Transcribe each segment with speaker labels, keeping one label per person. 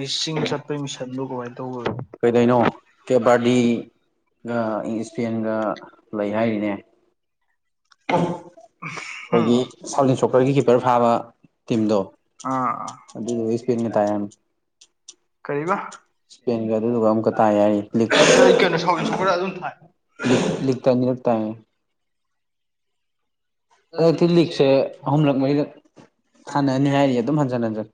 Speaker 1: ꯂꯤꯁꯤꯡ ꯆꯠꯄꯒꯤ ꯃꯤꯁꯟꯗꯣ ꯀꯃꯥꯏꯅ ꯇꯧꯕꯅꯣ
Speaker 2: ꯀꯩꯅꯣ ꯏꯅꯥꯎ ꯀꯦꯕꯥꯔꯗꯤꯒ ꯏꯁꯄꯦꯟꯒ ꯂꯩ ꯍꯥꯏꯔꯤꯅꯦ ꯑꯩꯈꯣꯏꯒꯤ ꯁꯥꯎꯂꯤꯟ ꯁꯣꯀꯔꯒꯤ ꯀꯤꯞꯄꯔ ꯐꯥꯕ
Speaker 1: [unintelligible] ꯑꯥ [unintelligible] ꯀꯔꯤꯕ
Speaker 2: ꯁꯄꯦꯟꯒꯤ ꯑꯗꯨꯗꯨꯒ ꯑꯃꯨꯛꯀ ꯇꯥꯏ ꯍꯥꯏꯔꯤ [unintelligible] ꯂꯤꯛ ꯂꯤꯛ ꯇ ꯑꯅꯤꯔꯛ ꯇꯥꯏ ꯑ‌ꯦꯗꯤꯂꯤꯛꯁꯦ ꯑꯍꯨꯝꯂꯛ ꯃꯩꯗ ꯊꯥꯅꯅꯤ ꯍꯥꯏꯔꯤ ꯑꯗꯨꯝ ꯍꯟꯖꯤꯟ ꯍꯟꯖꯤꯟ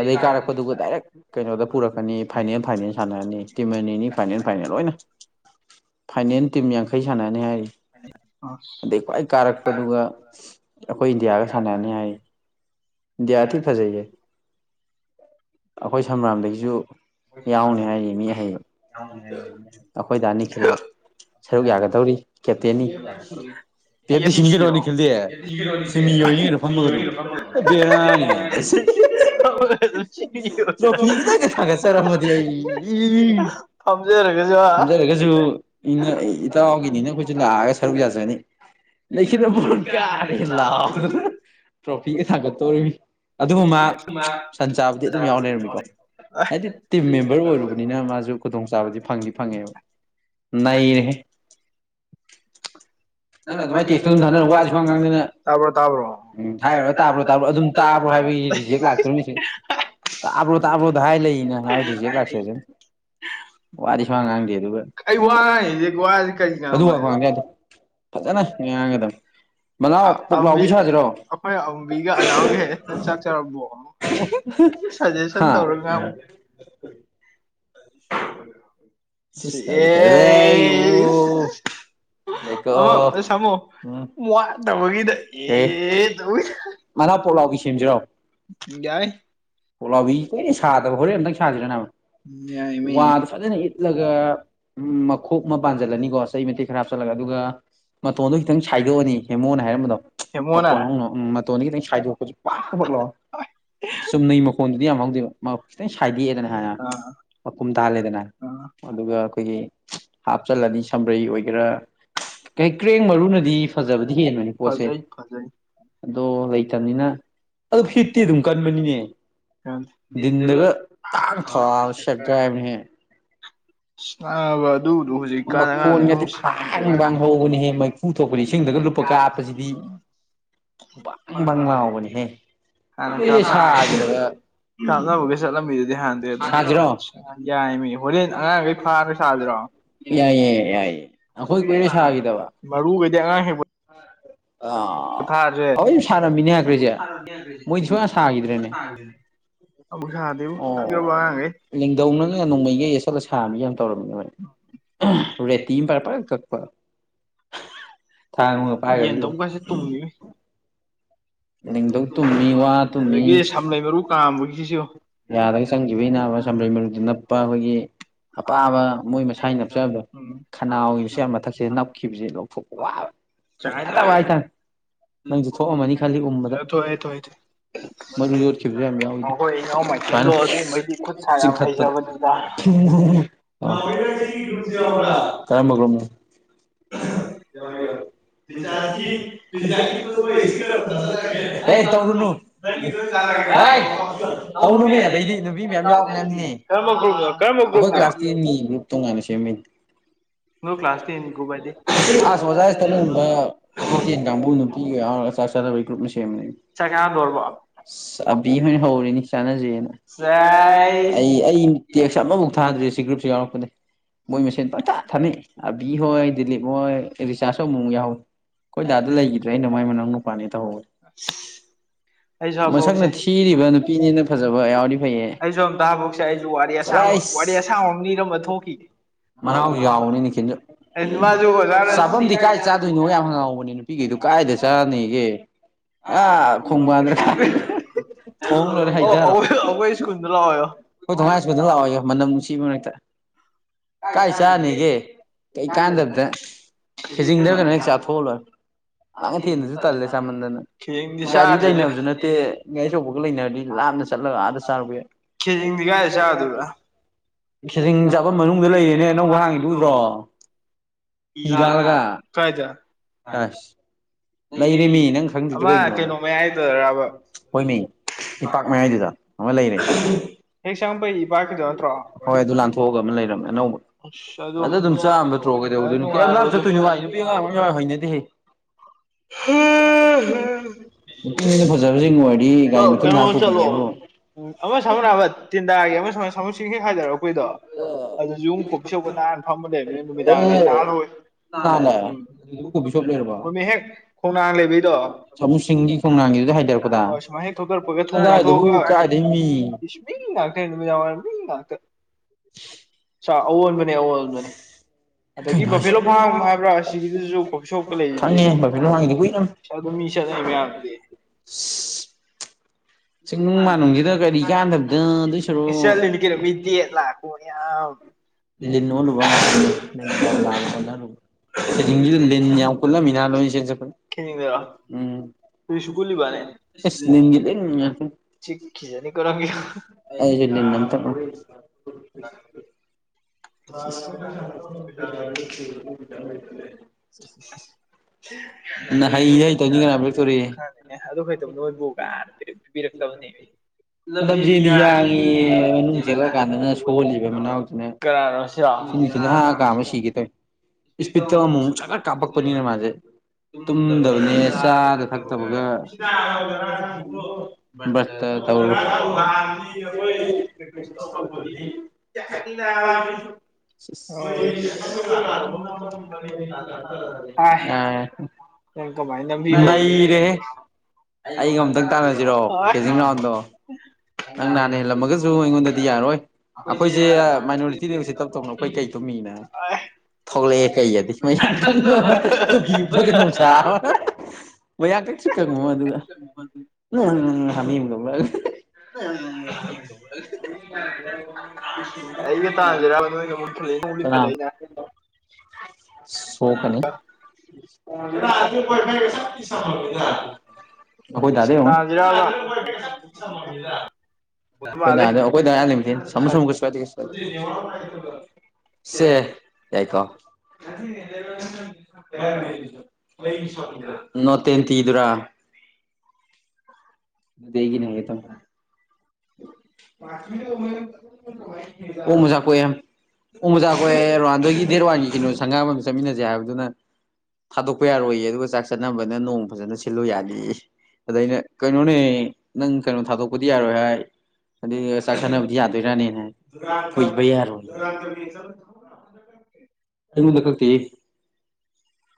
Speaker 2: ꯑꯗꯩ ꯀꯥꯔꯛꯄꯗꯨꯒ ꯗꯥꯏꯔꯦꯛ ꯀꯩꯅꯣꯗ ꯄꯨꯔꯛꯀꯅꯤ ꯐꯥꯏꯅꯦꯜ ꯐꯥꯏꯅꯦꯜ ꯁꯥꯟꯅꯅꯤꯌ‌ꯦ ꯇꯤꯝ ꯑꯅꯤꯅꯤ ꯐꯥꯏꯅꯦꯜ ꯐꯥꯏꯅꯦꯜ ꯂ‌ꯣꯏꯅ ꯐꯥꯏꯅꯦꯜ ꯇꯤꯝ ꯌꯥꯡꯈꯩ ꯁꯥꯟꯅꯅꯤ ꯍꯥꯏꯔꯤ
Speaker 1: ꯑꯁ
Speaker 2: ꯇꯔꯛꯄꯗꯨꯒ ꯑꯩꯈꯣꯏ ꯏꯟꯗꯤꯌꯥꯒ ꯁꯥꯟꯅꯅꯤ ꯍꯥꯏ ꯏꯟꯗꯤꯌꯥ ꯊꯤ ꯐꯖꯩꯌꯦ ꯑꯩꯈꯣꯏ ꯁꯝꯔꯥꯝꯗꯒꯤꯁꯨ ꯌꯥꯎꯅꯤ ꯍꯥꯏꯔꯤ ꯃꯤ ꯑꯍꯩꯕ ꯑꯩꯈꯣꯏ ꯗꯥ ꯅꯤꯈꯤꯜ ꯍ‌ꯣꯏ ꯁꯔꯨꯛ ꯌꯥꯒꯗꯧꯔꯤ ꯀꯦꯞꯇꯦꯟꯅꯤ ꯗ‌ꯦꯞꯗꯤ ꯁꯤꯅꯤ ꯀꯩꯅꯣ ꯅꯤꯈꯤꯜꯗꯤ ꯁꯤꯃꯤ ꯌꯧꯔꯤꯅꯤ ꯀꯩꯅꯣ ꯐꯝꯃꯒ ꯑꯗꯨꯝ ꯕꯦꯔꯥꯅꯤꯍ‌ꯦ
Speaker 1: ꯁꯤ [unintelligible]
Speaker 2: ꯆꯔꯝꯃꯗꯤ ꯑꯩ ꯏ ꯐꯝꯖꯔꯒꯁꯨ ꯏ ꯏꯇꯥꯎ ꯒꯤꯅꯤꯅ ꯑꯩꯈꯣꯏꯁꯨ ꯂꯥꯛꯑꯒ ꯁꯔꯨꯛ ꯌꯥꯖꯅꯤ ꯅꯤꯈꯤꯜꯅ ꯕ‌ꯣꯟ ꯀꯥꯔꯦ ꯂꯥꯎꯗꯅ ꯇ꯭ꯔꯣꯐꯤꯒ ꯊꯥꯡꯒꯠꯇꯣꯔꯤꯕ ꯑꯗꯨꯒ ꯃꯥ ꯁꯟ ꯆꯥꯕꯗꯤ ꯑꯗꯨꯝ ꯌꯥꯎ ꯂꯩꯔꯝꯃꯤꯀꯣ ꯍꯥꯏꯗꯤ ꯇꯤꯝ ꯃꯦꯝꯕꯔ ꯑꯣꯏꯔꯨꯕꯅꯤꯅ ꯃꯥꯖꯨ ꯈꯨꯗꯣꯡꯆꯥꯥꯕꯗꯤ ꯐꯪꯗꯤ ꯐꯪꯉꯦꯕ ꯅꯩꯔꯦꯍ‌ꯦ ꯅꯪꯅ ꯑꯗꯨꯃꯥꯏꯅ ꯇꯦꯛꯁꯇꯣ ꯑꯗꯨꯝ ꯊꯔ ꯋꯥꯗꯤ ꯁꯨ ꯉꯥꯡꯗꯅ ꯎꯝ ꯍꯥꯏꯔꯨꯔꯒ ꯇꯥꯕ꯭ꯔꯣ ꯇꯥꯕ꯭ꯔꯣ ꯑꯗꯨꯝ ꯇꯥꯕ꯭ꯔꯣ ꯍꯥꯏꯕꯒꯤ ꯔꯤꯖꯦꯛ ꯂꯥꯛꯇꯣꯔꯝꯃꯤꯁꯦ ꯇꯥꯕ꯭ꯔꯣ ꯇꯥꯕ꯭ꯔꯣꯗ ꯍꯥꯏ ꯂꯩ [unintelligible] ꯔꯤꯖꯦꯒ ꯂꯛꯆꯖꯅꯤ ꯋꯥꯗꯤ ꯁꯨꯉꯥꯡ ꯉꯥꯡꯗ‌ꯦ [unintelligible] ꯑꯗꯨ ꯈꯪꯗ‌ꯦ ꯐꯖꯅ ꯉꯥꯡꯒꯗꯕ
Speaker 1: ꯑꯝꯕꯤ ꯑꯩꯈꯣꯏ ꯑꯝꯕꯤꯒ ꯑꯅꯥꯎꯒ ꯍꯦ ꯆꯥꯛ ꯆꯔꯕꯣ ꯁꯖꯦꯁꯟ ꯇꯧꯔ ꯉꯥꯡ
Speaker 2: [unintelligible] ꯂꯩꯀ‌ꯣ [unintelligible] ꯎꯝ [unintelligible] ꯑꯦ ꯃꯅꯥ ꯄꯣꯛꯂꯥꯎꯕꯤ ꯁꯦꯝꯖꯤꯔꯣ
Speaker 1: ꯌꯥꯏ
Speaker 2: ꯄꯣꯛꯂꯥꯎꯕꯤ ꯀꯨꯏꯔ‌ꯦ ꯁꯥꯗꯕ ꯍꯣꯔꯦꯟ ꯑꯝꯇꯪ ꯁꯥꯁꯤꯗꯅ ꯋꯥꯗꯨ ꯐꯖꯅ ꯏꯠꯂꯒ ꯎꯝ ꯃꯈꯣꯛ ꯑꯃ ꯄꯥꯟꯁꯤꯜꯂꯅꯤꯀꯣ ꯆꯍꯤ ꯃꯇꯦꯛ ꯈꯔ ꯍꯥꯞꯆꯤꯜꯂꯒ ꯑꯗꯨꯒ ꯃꯇꯣꯟꯗꯣ ꯈꯤꯇꯪ ꯁꯥꯏꯗꯣꯛꯑꯅꯤ ꯍꯦꯃꯣꯅ ꯍꯥꯏꯔꯝꯕꯗꯣ ꯃꯈ‌ꯣꯟ ꯍꯧꯅ ꯎꯝ ꯃꯇꯣꯟꯗꯒꯤ ꯈꯤꯇꯪ ꯁꯥꯏꯗꯣꯛꯄꯁꯨ ꯄꯥꯛ ꯄꯥꯛ ꯂꯥꯎꯅ ꯆꯨꯝꯅꯩ ꯃꯈꯣꯟꯗꯨꯗꯤ ꯌꯥꯝꯍꯧꯗꯦꯕ ꯈꯤꯇꯪ ꯁꯥꯏꯗꯦꯛꯑꯦꯗꯅ ꯍꯥꯏ ꯃꯀꯨꯝ ꯇꯥꯍꯜꯂꯦꯗꯅ ꯑꯗꯨꯒ ꯑꯩꯈꯣꯏꯒꯤ ꯍꯥꯞꯆꯜꯂꯅꯤ ꯁꯝꯕ꯭ꯔꯩ ꯑꯣꯏꯒꯦꯔꯥ ꯀ ꯀ꯭ꯔꯦꯡ ꯃꯔꯨꯅꯗꯤ ꯐꯖꯕꯗꯤ ꯍꯦꯟꯕꯅꯤ ꯄꯣꯠꯁꯦ
Speaker 1: ꯃꯈꯖꯩ
Speaker 2: ꯑꯗꯣ ꯂꯩꯇꯕꯅꯤꯅ ꯑꯗꯨ ꯍꯤꯠꯇꯤ ꯑꯗꯨꯝ ꯀꯟꯕꯅꯤꯅꯦ
Speaker 1: ꯀ
Speaker 2: ꯗꯤꯟꯗꯒ ꯇꯥꯡ ꯊꯧ ꯁꯦꯦꯛꯀ ꯍꯥꯏꯕꯅꯤꯍꯦ
Speaker 1: ꯑ
Speaker 2: ꯃꯈꯣꯟ ꯉꯗꯤ ꯇꯥꯡ ꯄꯥꯡ ꯍꯧꯕꯅꯤꯍꯦ ꯃꯩꯐꯨ ꯊꯣꯛꯄꯅꯦ ꯏꯁꯤꯡꯗꯒ ꯂꯨꯄꯥ ꯀꯥ ꯍꯥꯞꯄꯁꯤꯗꯤ ꯕꯪ ꯕꯪ ꯂꯥꯎꯕꯅꯤꯍꯦ ꯀꯨꯏꯔꯦ ꯁꯥꯈꯤꯗꯕ ꯁꯥꯖꯔꯣ
Speaker 1: ꯁꯥꯗ꯭ꯔꯣ
Speaker 2: ꯌꯥꯏ ꯌꯥꯏ ꯌꯥꯏꯌꯦ ꯑꯩꯈꯣꯏ ꯀꯨꯏꯅ ꯁꯥꯈꯤꯗꯕ ꯑꯥ ꯑꯩ ꯁ ꯁꯥꯔꯝꯃꯤꯅꯦ ꯍꯥꯏꯈ꯭ꯔꯦꯁꯦ ꯃꯣꯏꯗꯤ ꯁꯨꯡꯌꯥ ꯁꯥꯈꯤꯗ꯭ꯔꯦꯅꯦ ꯑꯣ ꯂꯤꯡꯊꯧꯧꯅꯅꯦ ꯅꯣꯡꯃꯩꯒꯩ ꯆꯠꯂꯒ ꯁꯥꯕ ꯌꯥꯝ ꯇꯧꯔꯝ ꯔꯦꯇꯤ ꯑꯃ ꯐꯔ ꯄꯔ ꯆꯠꯄ
Speaker 1: ꯌꯦꯟꯗꯧꯒꯁꯦ ꯇꯨꯝꯃꯤ ꯑꯗꯒꯤ ꯁꯝꯂꯩ ꯃꯔꯨ ꯀꯥꯝꯕꯒꯤꯁꯤꯁꯨ
Speaker 2: ꯌꯥꯔꯒ ꯆꯪꯈꯤꯕꯒꯤ ꯅꯥꯕ ꯁꯝꯕ꯭ꯔꯩ ꯃꯗ ꯅꯞꯄ ꯑꯩꯈꯣꯏꯒꯤ ꯑꯄꯥꯕ ꯃꯣꯏ ꯃꯁꯥ ꯅꯞꯆꯕꯗꯣ ꯈꯅꯥꯎꯒꯤꯁꯨ ꯌꯥꯝ ꯃꯊꯛꯁꯤꯗ ꯅꯞꯈꯤꯕꯁꯦ ꯂꯧꯊꯣꯛꯄ ꯋꯥꯕ ꯐꯩꯅꯗꯕ ꯍꯥꯏꯇꯥꯔꯦ
Speaker 1: ꯑ ꯈꯣꯏ ꯏꯅꯥꯎ ꯃꯥꯏꯊꯦꯜꯗꯣ ꯑꯗꯨꯈꯩꯗꯤ ꯈꯨꯠ ꯁꯥ ꯌꯥꯝ ꯍꯩꯖꯕꯅꯤꯗ
Speaker 2: ꯀꯔꯝꯕꯒ꯭ꯔꯣꯝ ꯆꯥꯩꯁꯤ ꯑꯦ ꯇꯧꯔꯨꯅꯨ ꯍ ꯇꯧꯅꯨꯃꯦ ꯑꯗꯩꯗꯤ ꯃꯤ ꯃꯌꯥꯝ ꯌꯥꯎꯕꯅꯦꯅꯦ ꯑꯩꯈꯣꯏ ꯀ꯭ꯂꯥꯁ ꯇꯦꯟꯅꯤ ꯒ꯭ꯔꯨꯞ ꯇꯣꯉꯥꯟꯅ ꯁꯦꯝꯃꯤ ꯑꯁ ꯑꯣꯖꯥꯏꯇ ꯌꯥꯝꯄꯨꯟ ꯅꯨꯄꯤꯒ ꯌꯥꯎꯔ ꯆꯥꯛ ꯆꯥꯟꯅꯕꯩ ꯒ꯭ꯔꯨꯞ ꯑꯃ ꯁꯦꯝꯃꯦ [unintelligible] ꯑꯁ ꯑꯕꯦ ꯍꯣꯏꯅ ꯍꯧꯔꯤꯅꯤ ꯆꯥꯟꯅꯖꯦꯅ [unintelligible] ꯑꯩ ꯑꯩ ꯇꯦꯛꯁ ꯑꯃꯕꯧ ꯊꯥꯗ꯭ꯔꯤ ꯁꯤ ꯒ꯭ꯔꯨꯞꯁꯨ ꯌꯥꯎꯔꯛꯄꯗꯩ ꯃꯣꯏ ꯃꯁꯦꯟ ꯄꯪꯊꯥ ꯊꯥꯅꯩ ꯑꯕꯤ ꯍꯣꯏ ꯗꯤꯂꯤꯞ ꯍꯣꯏ ꯔꯤꯆ꯭ꯥꯔ꯭ꯖꯁꯨ ꯑꯃꯨꯃꯨꯛ ꯌꯥꯎꯍꯧꯏ ꯈꯣꯏ ꯗꯥꯗꯣ ꯂꯩꯒꯤꯗ꯭ꯔꯦ ꯑꯩꯅ ꯃꯥꯏ ꯃꯅꯥꯎ ꯅꯨꯄꯥꯅꯦ ꯇꯧꯍꯧꯋꯤ
Speaker 1: ꯑ ꯁꯤ
Speaker 2: ꯃꯁꯛꯅ ꯊꯤꯔꯤꯕ ꯅꯨꯄꯤꯅꯦꯅ ꯐꯖꯕ ꯌꯥꯎꯔꯗꯤ ꯐꯩꯌꯦ [unintelligible] ꯆꯂꯥꯏꯁ ꯃꯅꯥꯎꯁꯨ ꯌꯥꯎꯕꯅꯤ ꯅꯤꯊꯜꯁꯨ ꯆꯥꯐꯝꯗꯤ ꯀꯥꯏ ꯆꯥꯗꯣꯏꯅꯣ ꯌꯥꯝ ꯍꯉꯥꯎꯕꯅꯤ ꯄꯤꯒꯩꯗꯨ ꯀꯥꯏꯗ ꯆꯥ ꯅꯦꯒꯦ ꯑꯥ ꯈꯣꯡꯕꯥꯟꯗꯔꯥ ꯀꯥꯏ ꯊꯣꯡ ꯂꯣꯏꯔ ꯍꯩꯗꯔꯣ [unintelligible] ꯑꯣꯏ ꯊꯣꯡꯉꯥꯏ ꯏ꯭ꯁꯄꯦꯟꯁꯟ ꯂꯥꯛꯑꯣꯌꯨ ꯃꯅꯝ ꯅꯨꯡꯁꯤꯕ ꯃꯔꯛꯇ ꯀꯥꯏ ꯆꯥꯅꯦꯒꯦ ꯀꯩꯀꯥꯟꯗ꯭ꯕꯗ ꯈꯦꯖꯤꯡꯗꯔ ꯒꯩꯅꯣꯌꯦꯡ ꯆꯥꯊꯣꯛꯑ ꯂꯣꯏꯔꯦ
Speaker 1: ꯑꯗ꯭ꯤꯔ
Speaker 2: ꯏꯟꯗ ꯁꯨ ꯇꯜꯂꯦ ꯆꯃꯟꯗꯅ ꯒꯥꯔꯤ ꯂꯩꯅꯕꯖꯨ ꯅꯠꯇꯦ ꯉꯩ ꯑꯆꯧꯕꯒ ꯂꯩꯅꯔꯗꯤ ꯂꯥꯞꯅ ꯆꯠꯂꯒ ꯑꯥꯗ ꯆꯥꯔꯨꯕ ꯌꯥꯏ
Speaker 1: ꯈꯦꯖꯤꯡꯗꯤ ꯀꯥꯏꯗ ꯆꯥꯔꯨꯗꯣꯏꯕ
Speaker 2: ꯈꯦꯖꯤꯡ ꯆꯥꯕꯝ ꯃꯅꯨꯡꯗ ꯂꯩꯌꯦꯅꯦ ꯅꯧꯕ ꯍꯥꯡꯉꯤꯗꯨ ꯎꯗ꯭ꯔꯣ ꯍꯤ ꯂꯥꯜꯂꯒ [unintelligible] ꯇꯥꯏ ꯂꯩꯔꯦ ꯃꯤ ꯅꯪ ꯈꯪꯗ꯭ꯔꯤꯗꯨ ꯀꯩꯒꯤꯅꯣ ꯑꯗꯣ [unintelligible] ꯍꯣꯏꯃꯤ ꯏꯄꯥꯛ ꯃꯌꯥꯏꯗꯨꯗ ꯑꯃ ꯂꯩꯔꯦ [unintelligible] [unintelligible] ꯍꯣꯏ ꯑꯗꯨ ꯂꯥꯟꯊꯣꯛꯑꯒ ꯑꯃ ꯂꯩꯔꯝ ꯎꯝ ꯑꯅꯧꯕ ꯑꯗ ꯑꯗꯨꯝ ꯆꯥꯝ ꯕꯇ꯭ꯔꯣ ꯀꯩꯗꯧꯗꯣꯏꯅꯣ ꯀꯌꯥꯝ ꯂꯥꯞ ꯆꯠꯇꯣꯏꯅꯣ ꯋꯥꯏ ꯅꯨꯄꯤ ꯑꯉꯥꯡ ꯋꯥꯏꯌꯥꯎꯔ ꯍꯩꯅꯗꯦꯍꯦ [unintelligible] ꯅꯨꯄꯤꯅꯦꯅ ꯐꯖꯕꯖꯤꯡ ꯑꯣꯏꯔꯗꯤ ꯒꯥꯔꯤ ꯃꯊꯨꯟ ꯍꯥꯞ ꯄꯨꯕꯤꯒꯦꯕꯨ
Speaker 1: ꯎꯝ ꯑꯃ ꯁꯃꯨꯔꯃꯠ ꯇꯤꯟꯗꯥꯒꯤ ꯑꯃ ꯁꯨꯃ꯭ꯥꯏꯟ ꯁꯥꯃꯨ ꯆꯤꯡ ꯍꯦꯛ ꯍꯥꯏꯗꯔꯛꯄꯩꯗꯣ ꯑꯗꯨ ꯌꯨꯝ ꯀꯣꯄꯤ ꯁꯧꯕ ꯅꯥꯥꯟꯅ ꯐꯝꯕꯅꯕꯅꯦ ꯅꯨꯃꯤꯗꯥꯡꯗꯤ ꯅꯍꯥꯔꯣꯏ ꯅꯥꯜꯂꯦ ꯎꯝ [unintelligible] ꯑ꯭ꯣꯔꯃꯤꯍꯦꯛ
Speaker 2: [unintelligible] ꯁꯥꯃꯨꯁꯤꯡꯒꯤ ꯈꯣꯡꯅꯥꯡꯒꯤꯗꯨꯗꯩ ꯍꯥꯏꯗꯔꯛꯄꯗ [unintelligible] ꯑꯣꯗꯥꯏꯗꯕꯨ ꯀꯥꯏ ꯑꯩꯃꯤ
Speaker 1: ꯏꯁ ꯃꯤ ꯉꯥꯛꯇꯟ ꯅꯨꯃꯤꯗꯥꯡ ꯋꯥꯏꯔꯝ ꯃꯤ ꯉꯥꯛꯇ ꯁꯥ ꯑꯧ ꯑꯣꯟꯕꯅꯦ ꯑꯑꯣꯜꯕꯅꯦ ꯑꯗꯒꯤ ꯕꯐꯦꯂꯣ ꯐꯥꯝꯞ ꯍꯥꯏꯕ꯭ꯔꯥ ꯑꯁꯤꯒꯤꯗꯨꯖꯨ ꯀꯣꯐꯤ ꯁꯣꯞꯀ ꯂꯩꯗꯨꯗꯤ ꯑꯗꯨ ꯃꯤ ꯆꯠꯅꯩ ꯃꯌꯥꯝ ꯗꯤ
Speaker 2: ꯁꯤ
Speaker 1: [unintelligible] ꯏꯁ ꯆꯠꯂꯤꯅꯤ ꯀꯦꯅꯣ ꯃꯤ ꯗꯦꯠꯂꯥ ꯍꯣꯅꯤ ꯌꯥꯝ
Speaker 2: ꯂꯤꯟ ꯑꯣꯟꯂꯨꯕ ꯉꯥ [unintelligible] ꯐꯝꯗꯍꯜꯂꯨꯕ [unintelligible] ꯖꯤꯡꯒꯤꯗꯨꯗ ꯂꯤꯟ ꯌꯥꯝ ꯀꯨꯜꯂꯝꯃꯤ ꯅꯥ ꯂꯝꯖꯦ ꯆꯦꯟ ꯆꯠꯄꯗ [unintelligible] ꯎꯝ [unintelligible] ꯏꯁ ꯂꯤꯟꯒꯤ ꯂꯤꯟ ꯉꯥꯛꯇꯟ [unintelligible] ꯑꯩꯖꯨ ꯂꯤꯟ ꯃꯝꯇ ꯎꯒꯦ [unintelligible] [unintelligible]
Speaker 1: [unintelligible] ꯑꯦ ꯑꯗꯨ ꯀꯩꯗꯧ ꯅꯣꯏꯕꯨ ꯀꯥꯏ ꯅꯥ [unintelligible]
Speaker 2: ꯂꯝꯖꯦꯜꯗꯤ ꯌꯥꯡꯉꯦ ꯌꯦ ꯃꯅꯨꯡ ꯆꯦꯜꯂꯛ ꯀꯥꯟꯗꯅ ꯁ꯭ꯣꯍ ꯂꯤ ꯕꯦ ꯃꯅꯥꯎꯖꯤꯅꯦ ꯁꯤꯅꯤꯁꯦꯟꯖꯨ ꯍꯥꯑ ꯀꯥꯝꯔ ꯁꯤꯒꯦ ꯇꯧꯌꯦ ꯏꯁꯄꯤꯠꯇ ꯑꯃꯨ ꯃꯨꯛ ꯆꯒꯠ ꯀꯥꯞꯄꯛꯄꯅꯤꯅ ꯃꯥꯖꯦ ꯇꯨꯝ ꯗꯕꯅꯦ ꯆꯥꯗ ꯊꯛꯇꯕꯒ [unintelligible] ꯕ꯭ꯔꯇ ꯇꯧꯔꯨ [unintelligible] [unintelligible] ꯁ꯭ꯤꯁ [unintelligible] [unintelligible] ꯅꯥꯌꯦ ꯅꯩ ꯔꯦꯍꯦ ꯑꯩꯒ ꯑꯝꯇꯪ ꯇꯥꯟꯅꯖꯤꯔꯣ ꯀꯦꯖꯤꯡ ꯔ꯭ꯥꯎ꯭ꯟꯗꯣ ꯅꯪ ꯅꯍꯥꯟ ꯍꯦꯜꯂꯝ ꯃꯒꯖꯨ ꯑꯩꯉꯣꯟꯗꯗꯤ ꯌꯥꯔꯣꯏ ꯑꯩꯈꯣꯏꯖ꯭ꯦꯌ ꯃꯥꯏꯅꯣꯔꯤꯇꯤꯅꯦ ꯎꯁꯤꯠꯇꯞ ꯇꯧꯅꯨ ꯑꯈꯣꯏ ꯀꯩ ꯇꯨꯝꯃꯤꯅ ꯊꯣꯛꯂꯑꯦ ꯀꯩ ꯑꯗꯤ ꯃꯣꯏ ꯌꯥꯝ ꯈꯪ ꯕ ꯃꯥꯟ ꯇꯨꯄꯤ ꯎꯞꯄꯒ ꯅꯣꯟꯁ ꯕ ꯌꯥꯝ ꯀꯩꯁꯨ ꯈꯪꯉꯨꯣ ꯑꯗꯨꯒꯗ ꯎꯝ ꯍꯒ
Speaker 1: ꯑ ꯑꯩꯒ ꯇꯥꯟꯖꯔꯥꯕ ꯅꯅ ꯃꯨꯟꯈꯠꯂ ꯈꯠꯂꯦ ꯑꯩꯅ [unintelligible]
Speaker 2: ꯁꯣ ꯀꯅꯤ
Speaker 1: ꯏꯁꯥꯖꯤꯔꯗꯣ
Speaker 2: ꯑꯩꯈꯣꯏ ꯅꯥꯥꯟꯗ ꯑꯩꯈꯣꯏꯗ ꯉꯅꯤꯡꯃꯤꯗꯤ ꯁꯝꯃꯨ ꯁꯨꯝꯨ ꯀꯩꯁꯨꯋꯥꯏꯗꯦ ꯁꯦ ꯁꯦ ꯌꯥꯏꯀꯣ ꯅꯣꯠꯇꯦꯟ ꯊꯤꯗꯨ꯭ꯔꯥ ꯃ ꯍꯒꯅꯦ ꯍꯦ ꯇ ꯑꯣ ꯃꯣꯖꯥ ꯀ ꯌꯥꯝ ꯎ ꯃꯆꯥ ꯀꯣꯛꯦ ꯋꯥꯥꯟꯗꯣꯏꯒꯤ ꯗꯦꯠ ꯋꯥꯟꯒꯤ ꯀꯩꯅꯣ ꯁꯪꯒꯥꯝ ꯑꯃꯝ ꯆꯠꯃꯤꯟꯅꯁꯦ ꯍꯥꯏꯕꯗꯨꯅ ꯊꯥꯗꯣꯛꯄ ꯌꯥꯔꯣꯏꯌꯦ ꯑꯗꯨꯒ ꯆꯥꯛ ꯆꯟꯅꯅꯕꯅ ꯅꯣꯡ ꯐꯖꯅ ꯁꯤꯜꯂꯨ ꯌꯥꯅꯤꯌꯦ ꯑꯗ ꯑꯩꯅ ꯀꯩꯅꯣꯅꯦ ꯅꯪ ꯀꯩꯅꯣ ꯊꯥꯗꯣꯛꯄꯗꯤ ꯌꯥꯔꯣꯏ ꯍꯥꯏ ꯑꯗꯨ ꯆꯥꯛ ꯁꯥꯟꯅꯕꯗꯤ ꯌꯥꯗꯣꯏꯔꯥꯅꯤꯅꯦ ꯀꯨꯏꯕ ꯌꯥꯔꯣꯏ [unintelligible] ꯑꯩꯗꯛꯥꯛꯇ